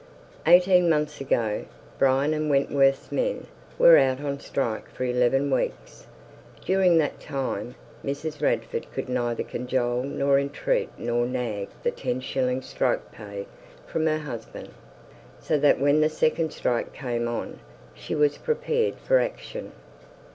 Eighteen months ago, Bryan and Wentworth's men were out on strike for eleven weeks. During that time, Mrs. Radford could neither cajole nor entreat nor nag the ten shillings strike pay from her husband. So that when the second strike came on, she was prepared for action.